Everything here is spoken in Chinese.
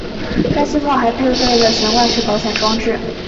该机炮还配备了悬挂式保险装置。